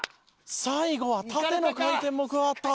最後は縦の回転も加わった。